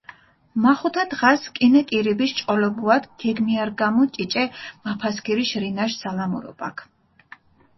მახუთა დღას, კინე კირიბიშ ჭყოლობუათ, გეგმიარგამჷ ჭიჭე მაფასქირიშ რინაშ სალამურობაქ.